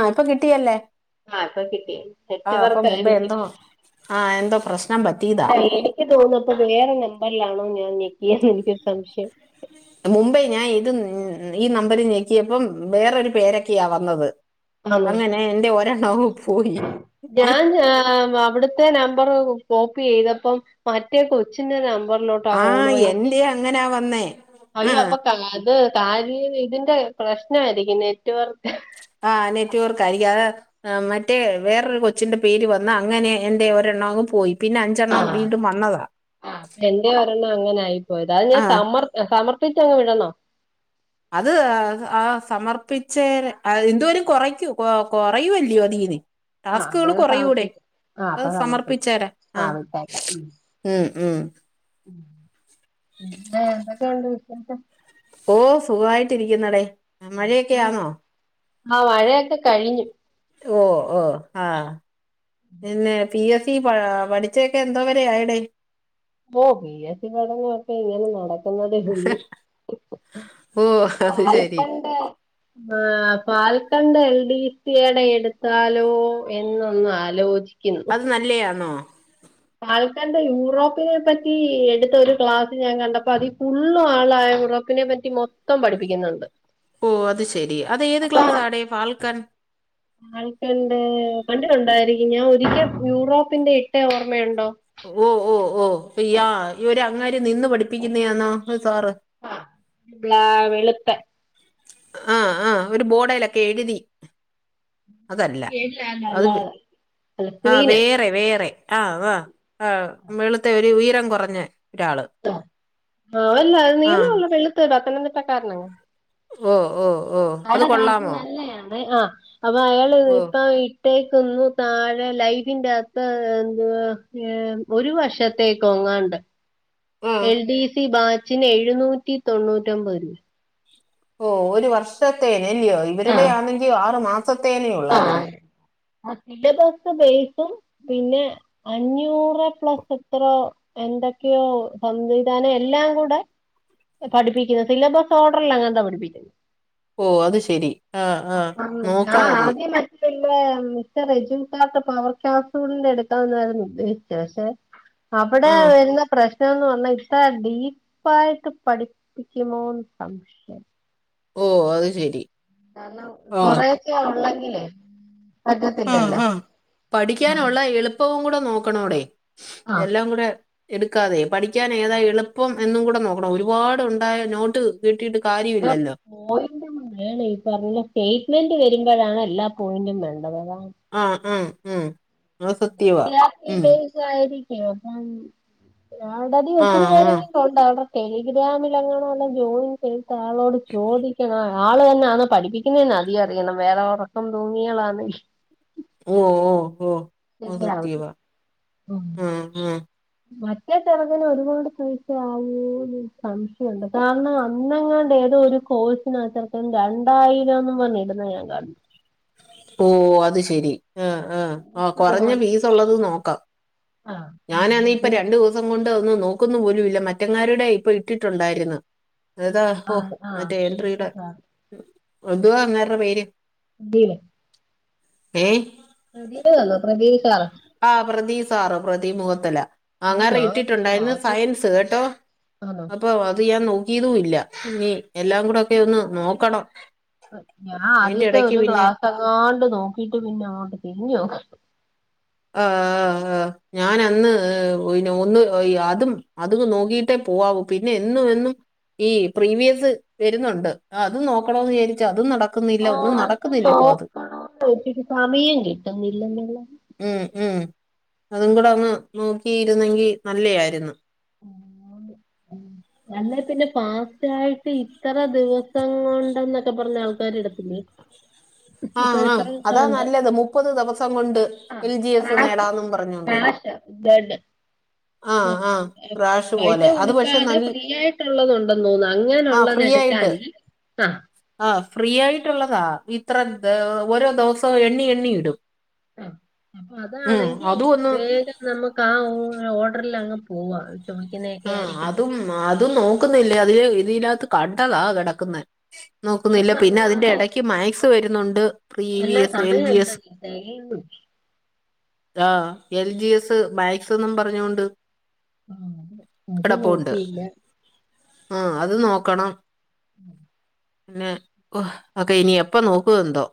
ആ ഇപ്പൊ കിട്ടിയല്ലേ. ആഹ അപ്പൊ കിട്ടി ആ അപ്പൊ നെറ്റ്‌വർക്ക് മുമ്പേ ആയിരിക്കും. എന്തോ ആ എന്തോ പ്രശ്നം പറ്റിയതാ അ എനിക്ക് തോന്നപ്പോ വേറെ ഒരു നമ്പറിലാണോ ഞാൻ ഞക്കിയത് എനിക്കൊരു സംശയം. ഉ മുമ്പേ ഞാൻ ഇത് ഈ നമ്പറിൽ ഞക്കിയപ്പോ വേറൊരു പേരൊക്കെയാ വന്നത്. ആണോ അങ്ങനെ എന്റെ ഒരെണവും പോയി. ഞാൻ അവിടുത്തെ നമ്പറും. കോപ്പി ചെയ്തപ്പം മറ്റേ കൊച്ചിന്റെ നമ്പ. ലോട്ടാ ആ കാൾ പോയെ എന്റെ അങ്ങനാ വന്നേ ആ അയ്യപ്പൊ അത്. പ്രശ്‌നമായിരിക്കും നെറ്റ്‌വർക്ക്. ആ നെറ്റ്‌വർകായിരികാം അ മറ്റേ വേറൊരു കൊച്ചിന്റെ പേര് വന്ന് അങ്ങനെ എൻ്റെ ഒരെണ്ണവും പോയി. പിന്നെ ആ അഞ്ചെണ്ണം വീണ്ടും വന്നതാ എന്റെ ഒരെണ്ണം അങ്ങനെ ആയി പോയതാ അത് ആ ഞാൻ സമർ സമർ. പ്പിച്ചങ് വിടണോ അത് ആ സമർപ്പിച്ചേ ന്തോ കുറയ്ക്കൂ കൊ കൊറയുവല്ലയോ അതിന്. ആഹ് ടാസ്കുകൾ അന്നേരം കുറയൂടെ സമർപ്പിക്കാം ആഹ് അ അപ്പൊ സമർപ്പിക്കാം സമർപ്പിച്ചരാ ആഹ ആഹ് വിട്ടേക്കാം ഉം ഉം ഉം എന്തൊക്കെയുണ്ട് വിശേഷം. ഓ സുഖായിട്ടിരിക്കുന്നുടെ മഴയൊക്കൊയാന്നോ? ആഹ മഴയൊക്കെ കഴിഞ്ഞു. ഓ ഓ ആഹ പിന്നെ പി എഫ. നീ പഠിച്ചൊക്കെ എന്തോ വരെ ആയിടെേ? ഓ പി യസ് സി പഠനൊക്കെ ഇങ്ങനെ നടക്കുന്നതേ ഉള്ളൂ. ഓ അത് ശരി പാൽക്കണ്ട് ആ ീടെ എടുത്താലോ എന്നൊന്ന് ആലോചിക്ക അത് നല്ലയാണോ ഫാൽക്കൻ യൂറോപ്പിനെ പറ്റി എടുത്ത ഒരു ക്ലാസ് ഞാൻ കണ്ടപ്പോ അതി ഫുള്ളും ആളായി. യൂറോപ്പിനെ പറ്റി മൊത്തം പഠിപ്പിക്കുന്നുണ്ട്. ഓ അത് ശെരി അതു ഏത് ക്ലാസാഡാ ഫാൽക്കൻ. ഫാൽക്കൻ പണ്ട് ഉണ്ടായിരിക്കും ഞാൻ ഒരിക്കൽ യൂറോപ്പിന്റെ ഇട്ട ഓർമയുണ്ടോ? അങ്ങ നിന്ന് പഠിപ്പിക്കുന്ന ആണോ അല്ല രാവിലത്തെ ആഹ ആഹ ഒരു ബോഡലൊക്കെ എഴുതി അതല്ല അല്ല അത് അല്ലാതെ അല്ല ആ ക്രീന് വേറെ വേറെ ആഹ് ആാ ആ് വെളുത്തെ ഒരു ഉയരം കുറഞ്ഞ ഒരാള് ആല്ല അത് ആ നീളള്ള വെള്ളുത്തരു പത്തനംതിട്ട കാരനാ ഓ ഓ ഓ അത് കൊള്ളാമോ നല്ലയാണ് ആ അപ്പൊ അയാള് ഓ ഇപ്പ. ത്തേക്കന്ന താഴെ ലൈഫിന്റെ ആത്ത് എ ഒരു വർഷത്തേക്ക. ആ എൽ ഡി സി ബാച്ചിന് എഴുന്നൂറ്റി തൊണ്ണൂറ്റിൊമ്പത് രൂപ ഓ ഒരു വർഷത്തേനല്ലയോ ഇവരുടെ ആണെങ്കിൽ ആറ് മാസത്തേക്കു അധിക ദിവസം ബേസും പിന്നെ അഞ്ഞൂറ് പ്ലസ് എത്രോ എന്തൊക്കെയോ സംവിധാനം എല്ല എല്ലാം കൂടെ പഠിപ്പിക്കുന്നത് സിലബസ് ഓർഡറല്ലാം അങ്ങനന്താ പഠിപ്പിക്കുന്നത്. ഓ അത് ശെരി ആഹ ആഹ നോക്കാതെ. പിന്നെ മിസ്ർ റിജു കാർട്ട് പവർ ക്ലാസ് എടുക്കാായിരുന്നു ഉദ്ദേശിച്ചു പക്ഷെ. അവിടെ ആ വരുന്ന പ്രശ്ന. ന്ന് പറഞ്ഞാൽ ഇത്ര ഡീപ്പ ആായിട്ട് പഠിപ്പിക്കുമോന്ന് സംശയം ഓ അത് ശെരി കാരണം, കൊറേയൊക്കെ ഒള്ളെങ്കിലേ ആ ആ ആഹ് പഠിക്കാനുള്ള എളുപ്പവും കൂടെ നോക്കണോ- ടെ, ആഹ് എല്ലാം കൂടെ എടുക്കാതെ, പഠിക്കാൻ ഏതാ എളുപ്പം എന്നും കൂടെ നോ ക്കണം. ഒരുപാടുണ്ടായാ നോട്ട് കിട്ടിയിട്ട് കാര്യമില്ലല്ലോ പോയിന്റ [unintelligible] ഈ പറഞ്ഞ സ്റ്റേറ്റ്മെന്റ് വരുമ്പോഴാണ് എല്ലാ പോയിന്റും വേണ്ടത് അതാ ആ ആ ഉം അത് സത്യവാ [unintelligible] ഉം ബേയ്സ് ആയിരിക്കു [unintelligible] ആ ഒത്തിരി ആ പേരെങ്ങും ഒണ്ടാ അവി ടെലിഗ്രാമിലങ്ങനോള്ള ജോയിൻ ചെയ്ത ആളോട് ചോദിക്കണ ആള് തന്നാണോ പഠിപ്പിക്കുന്നെന്ന് അദ്യം അറിയണം. വേറെ ഉറക്കം തൂങ്ങികളാണെങ്കി ഓ ഓ ഓ അത് സത്യവാ ഉം ആ ആ [unintelligible] ഒരുപാട് പൈസ ആവോന്നൊരു സംശയുണ്ട് കാരണം, അന്നെങ്ങാണ്ട് ഏതോ ഒരു കോഴ്സിനാച്ചെറുക്കൻ രണ്ടായിരംന്ന് പറഞ്ഞിടുന്ന ഞാൻ കണ്ടു. ഓ അത് ശരി. ആ ആ അ കണ്ടു കൊറഞ്ഞ ഫീസ് ഉള്ളത് നോക്കാം. ആഹ് ഞാനാന്നെ ഇപ്പ ഇത് രണ്ട് ദിവസം കൊണ്ട് ഒന്ന് നോക്കുന്നു പോലുമില്ല. മറ്റങ്ങാരുടെ ഇപ്പൊ ഇട്ടിട്ടുണ്ടായിരുന്ന് അതാ ഹൊ ആഹ് ആഹ് മറ്റേ എൻട്രിയുടെ, പ്രതീല് എന്തുവാ അങ്ങേരുടെ പേര്‌? [unintelligible] ഏ പ്രദീപ് വന്നോ പ്രതീപ് സാർ ആ പ്രതീപ് സാറ് പ്രതി മുഖത്തിലെ അങ്ങേര് ഞാൻ ഇട്ടിട്ടുണ്ടായിര്ന്ന് ആദ്യ സയൻസ് കേട്ടോ. ആണോ അപ്പൊ അത് ഞാൻ നോക് യതും ഇല്ല. ഇനി എല്ലാം കൂടെ ഒക്കെ ഒന്ന് നോക്കണം. ഞാൻ അതിന്റെ ആദ്യത്തെ ഇടയ്ക്ക് ഒരു പിന്നെ ക്ലാസെ- ങ്ങാണ്ട് നോക്കീട്ട് പിന്നെ അങ്ങോട്ട് തിരിഞ്ഞു നോക്കിട്ടി [inaudible] ആ ആ ആ ഞാൻ അന്ന് ഒന്ന് അതും അതും നോക്കിട്ടേ പോ പോവാവു പിന്നെ എന്നും എന്നും ഈ പ്രീവിയസ് വരുന്നുണ്ട്. അതും നോക്കണോന്ന് വിചാരിച്ച് അതും നടക്ക ആ അത് നോക്കണോന്ന് വച്ചിട്ട് സമയം കിട്ടുന്നില്ലെന്നുള്ള ഉം ഉം അതും കൂടെ ഒന്ന് നോക്കിയിരുന്നെങ്കി നല്ലെയായിരുന്ന്. [inaudible] അല്ലെ പിന്നെ ഫാസ്റ്റായിട്ട് ഇത്ര ദിവസം കൊണ്ടെന്നൊക്കെ പറഞ്ഞ് ആൾക്കാരിടത്തില്ലേ. ആ ആ അതാ നല്ലത്, മുപ്പത് ദിവസം കൊണ്ട് ആഹ് എൽ ജി എസ് ക്രാക്ക്, നേടാന്നും പറഞ്ഞുകൊണ്ട് ആ ആ ക്രാഷ് പോലെ അത് പക്ഷെ പൈസകൊടുക്കാതെ നല്ല ഫ്രീയായിട്ടുള്ളതൊണ്ട്ന്ന് തോന്നുന്നു ആ അങ്ങെനുള്ളത് എടുക്കാ ആ ഫ്രീയായിട്ടുള്ളതാ ഇത്ര [unintelligible] ഓരോ ദിവസ്സോഎണ്ണിയെണ്ണിയിടും ആ അപ്പൊ അതാണെങ്കി അതും ഒന്ന് വേഗം നമ്മക്കാ ഓർഡറലങ്ങ് പോവാ ചോദിക്കുന്നതൊക്കെ ആ ആയിരിക്കും അതും അതും നോക്കുന്നില്ലേ അതില് ഇതില്ലാത്ത് കണ്ടതാ കിടക്കുന്നെ ഈ നോക്കുന്നില്ല പിന്നെ പറഞ്ഞ അതിന്റെ പോലെ ഇടയ്ക്ക് മാക്സ് വരുന്നുണ്ട് pre V S, L G S. ഉം ആ എൽ ജി എസ്, മാക്സ് എന്നും പറഞ്ഞുകൊണ്ട് ആ അത് അത് നോക്കിയില്ല ആ അത് നോക്കണം പിന്നെ ഒക്കെ ഇനി അപ്പൊ നോക്കുവന്തോ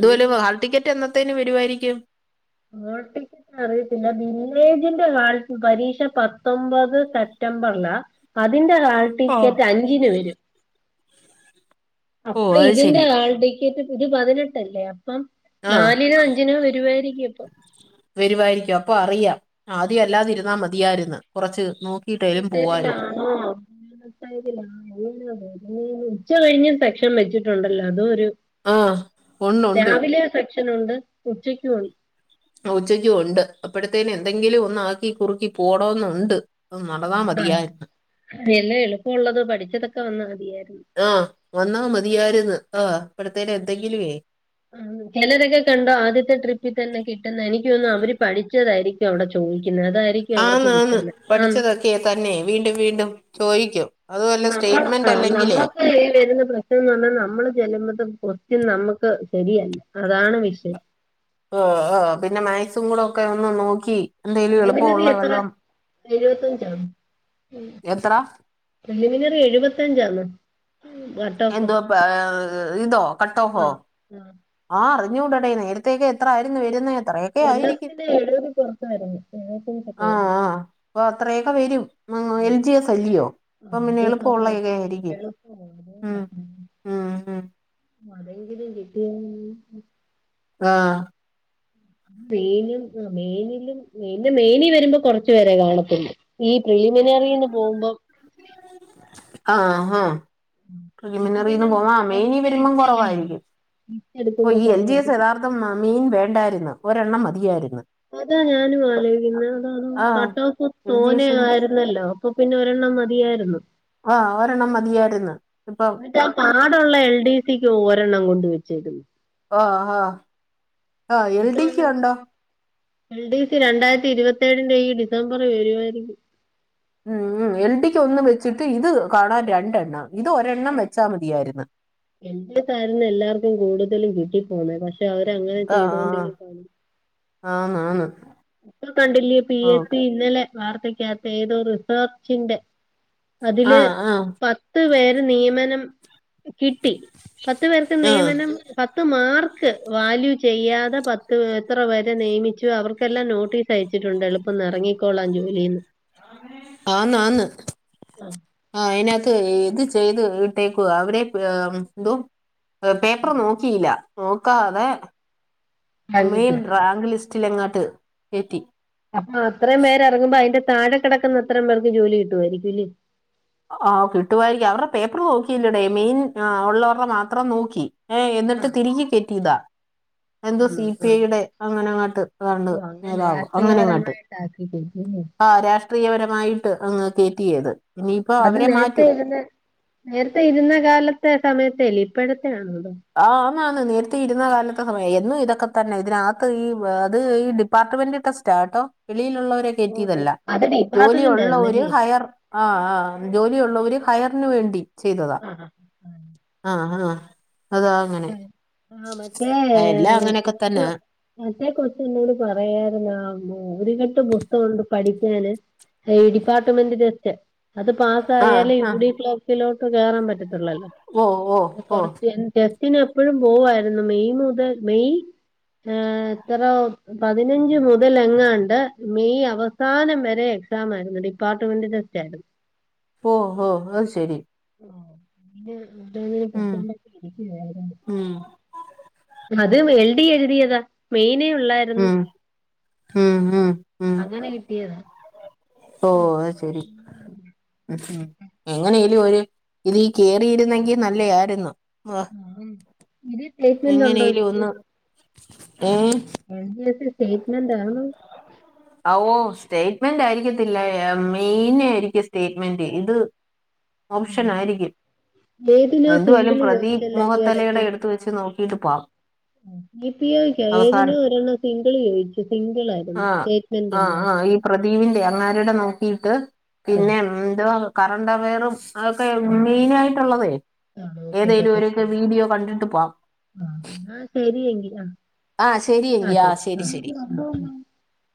ഇനി ഹാൾ ടിക്കറ്റ് എന്നത്തേന് വരുവായിരിക്കും ഹാൾടിക്കറ്റ് അറിയത്തില്ല വില്ലേജിന്റെ കാലത്ത് പരീക്ഷ പത്തൊമ്പത് സപ്റ്റ ബർലാ അതിന്റെ ഓഹ് ഹാൾടിക്കറ്റ് അഞ്ചിന് വരും. ഓ അപ്പ അത് ഇതിന്റെ ശരി ഹാൾടിക്കറ്റ് [unintelligible] പതിനെട്ടല്ലേ അപ്പം ആഹ് നാലിനോ അഞ്ചിനോ വരുവായിരിക്കും ഇപ്പൊ വരുവായിരിക്കും അപ്പൊ അറിയാം ആദ്യം അല്ലാതിരുന്നാ മതിയായിരുന്നു കുറച്ച് [unintelligible] നോക്കിയിട്ടേലും പോവായിരുന്നു ഉച്ച കഴിഞ്ഞ് സെക്ഷൻ വെച്ചിട്ടുണ്ടല്ലോ അതൊ ഒരു ആ ഉണ്ട് ഉണ്ട് [unintelligible] ക്ഷനുണ്ട് ഉച്ചക്കുംണ്ട് ഉച്ചയ്ക്കും ഉണ്ട് അപ്പോഴത്തേന് എന്തെങ്കിലും ഒന്ന ആക്കി കുറുക്കി പോണന്നുണ്ട് ഒന്ന് അതുകൊണ്ടാ നടന്നമതിയായി എല്ലാം എളുപ്പമുള്ളത് പഠിച്ചതൊക്കെ വന്നാ മതിയായിരുന്നു ആ വന്നാ മതിയായിരുന്നു ആ ഇപ്പടുത്തേന് എന്തെങ്കിലുവേ ചിലരൊക്കെ കണ്ടോ, ആദ്യത്തെ ട്രിപ്പിൽ തന്നെ കിട്ടുന്നെ എനിക്ക്തോന്നുന്നു അവര് പഠിച്ചതായിരിക്കും വിടെ ചോദി ആന്ന് ആന്ന് പഠിച്ചതൊക്കെ തന്നെ വീണ്ടും വീണ്ടും ചോയ്ക്കും നമ്മളൊന്ന ആ നമ്മക്ക് വരുന്ന പ്രശ്നംന്ന് പറഞ്ഞാൽ നമ്മള് ചെല്ലുമ്പത്ത്- [unintelligible] നമ്മക്ക് ശരിയല്ല അതാണ് വിഷയം ആ ആ പിന്നെ മാക്സും കൂടെ ഒക്കെ ഒന്ന് നോക്കി എന്തേലും പ്രിലിമിനറി എളുപ്പംഉള്ളെ എത്ര വല്ലോം എഴുപത്തഞ്ചാണ് എത്ര എലിമിനറി എഴുപത്തഞ്ചാന്ന് എന്തുവാപ്പൊ ഇതോ കട്ട് ഓഫോ ആ ആ ആ അറിഞ്ഞൂടടേ. നേരത്തേക്കെ എത്രായിരുന്നു വരുന്നെ അത്രയൊക്കെയായിരിക്കും. കൊല്ലത്തിന് എഴുപത് പുറത്ത് വരുന്നു എഴുപത്തഞ്ചൊക്കെ ആ വരും ആ അപ്പൊ അത്രയൊക്കെവരും ആ എൽജിഎസ് അല്ലിയോ അപ്പംപിന്നെ എളുപ്പമുള്ളയൊക്കെ ആയിരിക്കും ഉം ഉം ഉം അതെങ്കിലും കിട്ടിയാരിന്നെങ്കി ആ മേനും ആ മേനിലും എന്റെ മേനി വരുമ്പോ കുറച്ച്പേരെ കാണത്തുള്ളൂ. ഈ പ്രിലിമിനറി ന്ന് പോകുമ്പം ആ ആ അപ്പൊ പ്രിലിമിനറിന്ന് പിന്നെ പോവാ, ആ മെയ്നി കൊറച്ച് വരുമ്പോ ലിസ്റ്റ് അല്ല കൊറവായിരിക്കും ലിസ്റ്റ് ഓ എടുക്കുമ്പോ ഈഎൽജി എസ് കുറവായിരിക്കും യഥാർത്ഥം മീൻ വേണ്ടായിരുന്ന്. ഒരെണ്ണം മതിയായിരുന്നു അതാ ഞാനും ആലോചിക്കുന്നത് [unintelligible] ആഹ് കട്ടോഫ് എൽ ജി തോനെ എസിന് ആയിരുന്നല്ലോ അപ്പൊ പിന്നെ ഒരെ ണ്ണം മതിയായിരുന്നു ആഹ് ഒരെണ്ണം മതിയായിരുന്നു ഇപ്പം എന്നിട്ട് ആ [unintelligible] എൽ ഡി സി ക്ക് ഒരെണ്ണം കൊണ്ട് വെച്ചെക്കുന്നു [inaudible] ആ ഹാ അത് വന്നെങ്കി, എൽ ഡി എഫ് രണ്ടായിരത്തി ഇരുപത്ത് ത്തേഴിന്റെ ഈ ഡിസംബറി വരുവായിരിക്കും. ഉം ഉം എൽ ഡിക്ക് ഒന്ന് വെച്ചിട്ട് ഇത് കാണാൻ രണ്ടെണ്ണം ഇത് ഒരെണ്ണം വെച്ചാ മതിയായിര്ന്ന്. [unintelligible] എല്ലാർക്കും കൂടുതലും കിട്ടി പോന്നേ പക്ഷെ പക്ഷെ അവരങ്ങനെ ചെയ്തോണ്ടി ആഹ് [unintelligible] ആന്ന് ആന്ന്. ഇപ്പ കണ്ടില്ലെ പി ഓ എസ് സി ഇന്നലെ വാർത്തയ്ക്കാത്തെ ഏതോ റിസർച്ചിന്റെ അതില്, ആഹ് ആഹ് പത്ത് പേര് നിയമനം കിട്ടി. പത്ത് പേർക്ക് ആഹ് നിയമനം പത്ത് മാർ ക്ക് വാല്യൂ ചെയ്യാതെ പത്ത് എത്ര വരെ നിയമിച്ചു അവർക്ക് ക്കെല്ലാം നോട്ടീസ് അയച്ചിട്ടുണ്ട്, എളുപ്പന്നെറങ്ങിക്കോളാൻ ജോലീന്ന്. ആന്ന് ആന്ന്. ആ അയ്നകത്ത് ഏയ്ത് ചൊ ചെയ്ത് ഇട്ടേക്കുവ. അവരെ പ് ന്തോ ഏ പേപ്പർ നോക്കിയില്ല. നോക്കാതെ ബാങ്കി കിട്ടി മെയ്ൻ റാങ്ക് ലിസ്റ്റിലങ്ങാട്ട് എത്തി. അപ്പൊ അത്രയും പേര് ഇറങ്ങുമ്പോ അതിന്റെ താഴെ കിടക്കുന്ന അത്രം പേർക്ക് ജോലി കിട്ടുമായിരിക്കും അല്ല്യോ ആ കിട്ടുവായിരിക്കും അവരുടെ പേപ്പർ നോക്കിയില്ലടേ മെയിൻ ഉള്ളവരുടെ മാത്രം നോക്കി ഏ എന്നിട്ട് തിരികികേറ്റിയതാ എന്തോ ആണോ സി പി ആ ഐ യുടെ അങ്ങനെങ്ങാട്ട് ഏതണ്ട് ഓ അങ്ങനെ നേതാവ് അങ്ങനങ്ങാട്ട് രാഷ്ട്രീയപരമായിട്ട് ആക്കി ആ രാഷ്ട്രീയപരമായിട്ട് അങ്ങ് കേറ്റിയത് അത് നേരത്തെ ഇരുന്ന നേരത്തെ ഇരുന്ന കാലത്തെ സമയത്തേല്ല ഇപ്പോഴ ത്തെ ആണോ അത് ആഹ് ആന്നാന്ന് നേരത്തെ ഇരുന്ന കാലത്തെ സമയ എന്നും ഇതൊക്കെ തന്നെ ഇതിനകത്ത് ഈ അത് ഈ ഡിപ്പാർട്ട്മെന്റ് ടെസ്റ്റാ കേട്ടോ വെളിയിലുള്ളവരെ ഓ ഡി കേറ്റിയതല്ല അത് ഡിപ്പാർട്ട്മെന്റ് ജോലിയുള്ള ഒരു ആയിരുന്നല്ലേ ഹയർ ആ ആ ജോലിയുള്ളൊരു ഹ ഹയറിന് വേണ്ടി ചെയ്തതാ ആ ആ ആ ആ അതാ അങ്ങനെ ആ ആ, മറ്റേ എല്ലാം അങ്ങനെയൊക്കെ തന്നാ മറ്റെ കൊച്ച് എന്നോട് പറയാരുന്നു ആ ഒരു കെട്ട് പുസ്തകമുണ്ട് പഠിക്കാന് ഈ ഡിപ്പാർട്ട്മെന്റ് ടെസ്റ്റ്. അത് ആഹ് പാസ്സായാലെ യു ആഹ് ഡി ക്ലർക്കിലോട്ട് കേറാൻ പറ്റത് ത്ത്ള്ളല്ലോ. ഓ ഓ അപ്പം ഓ കുറച്ചെ ടെസ്റ്റിന് എപ്പോഴും പോവായിരുന്നു മെയ് മുതൽ മെയ് ഏ എത്ര പതിനഞ്ച് മുതൽ എങ്ങാണ്ട് മെയ് അവസാനം വരെ എക്സാം ആയിരുന്നു ഡിപ്പാർട്ട്മെന്റ് ടെസ്റ്റ് ആയിരുന്നു ഓ ഹോ അതു ശരി ആ പിന്നെ എന്തെങ്കിലും ഉം [unintelligible] ഇരിക്കയാരുന്നു. ഉം അത് എൽ ഡി എഴുതിയതാ. മെയിന് ഒള്ളാരുന്നു. ഉം ഉം ഉം ഉം അങ്ങനെ കിട്ടിയതാ ഓ അതു ശരി ഉം ഉം എങ്ങനെലും ഒരു ഇതി കേറിയിരുന്നെങ്കി നല്ലയാരുന്നു ആ ഇതി സ്റ്റേയിറ്റ്മെന്റ് ഉണ്ടോ എങ്ങനെലും എനിക്ക് ഒന്ന് ഏഹ് എൽ ഡി എഫ് സ്റ്റേറ്റ്മെൻറാണോ ആ ഓ സ്റ്റേറ്റ്മെന്റ് ആയിരിക്കത്തില്ല മെയിന് ആയിരിക്കും സ്റ്റേറ്റ്മെന്റ് ഇത് ഓപ്ഷൻ ആയിരിക്കും ഏതിനോ എന്തുവായാലും സിംഗിള് പ്രതി ചോദിച്ചല്ലോ മുഹത്തലയുടെ എടുത്ത് വെച്ച് നോക്കിട്ട് പോവാം ഉം. ഇ പി ഓ ക്കാ ഏതിനോ അവസാനം ഒരെണ്ണ സീ സി ചോദിച്ചു സിംഗിൾ ആ ആരുന്നു സ്റ്റേറ്റ്മെന്റില്ലാതെ ആരടെ നോക്കിട്ട് പിന്നെ ഇല്ലായിരുന്നു എന്തുവാ കറണ്ട് അവെയറും അതൊക്കെ മെയിൻ ആയിട്ടുള്ളതേ ആ ഏതെലും നോക്കിട്ടൊക്കെ ഒരുക്ക് പോ വീഡിയോ കണ്ടിട്ട് പാം ആ എന്നാ ശരിയെങ്കിൽ ആ ആ ശരി എങ്കിയാസ് [inaudible]